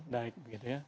daik begitu ya